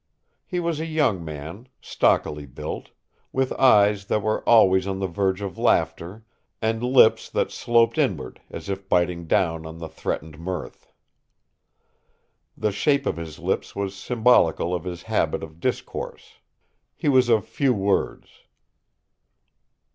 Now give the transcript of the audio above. He was a young man, stockily built, with eyes that were always on the verge of laughter and lips that sloped inward as if biting down on the threatened mirth. The shape of his lips was symbolical of his habit of discourse; he was of few words.